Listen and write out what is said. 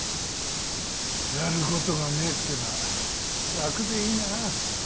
やることがねえってのは楽でいいなあ。